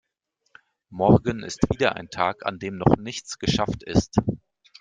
Morgen ist wieder ein Tag an dem noch nichts geschafft ist.